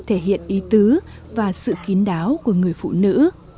thể hiện ý tứ và sự kín đáo của người phụ nữ